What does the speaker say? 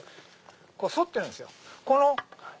こう反ってるんですよ。